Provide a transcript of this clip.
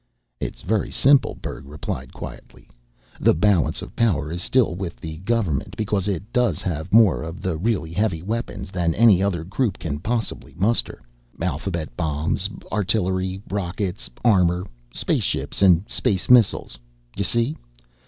"It's very simple," Berg replied quietly. "The balance of power is still with the government, because it does have more of the really heavy weapons than any other group can possibly muster. Alphabet bombs, artillery, rockets, armor, spaceships and space missiles. You see?